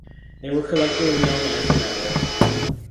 They were collectively known as The Network.